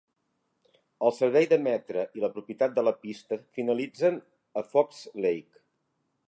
El servei de Metra i la propietat de la pista finalitzen a Fox Lake.